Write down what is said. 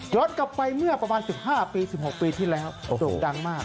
กลับไปเมื่อประมาณ๑๕ปี๑๖ปีที่แล้วโด่งดังมาก